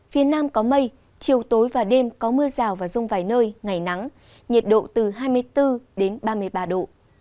phía nam có mây chiều tối và đêm có mưa rào và rông vài nơi ngày nắng nhiệt độ từ hai mươi bốn đến ba mươi ba độ